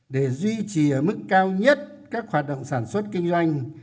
để duy trì ở mức cao nhất các hoạt động sản xuất kinh doanh